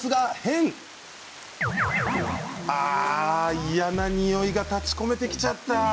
うわあ、嫌なにおいが立ちこめてきちゃった。